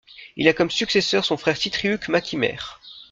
Il a comme successeur son frère Sitriuc mac Ímair.